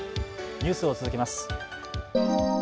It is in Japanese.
ニュースを続けます。